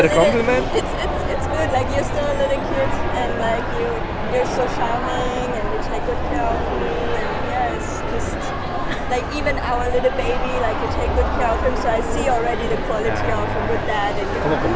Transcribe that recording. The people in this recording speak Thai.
คุณฝันใหญ่นะ